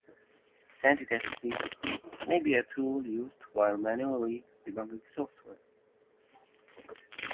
Sanity testing may be a tool used while manually debugging software.